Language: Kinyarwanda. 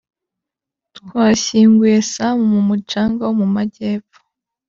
twashyinguye sam mu mucanga wo mu majyepfo